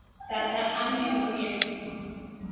Tata ameuya.